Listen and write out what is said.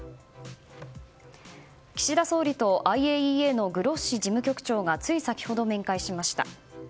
岸田総理とＩＡＥＡのグロッシ事務局長がつい先ほど面会しました。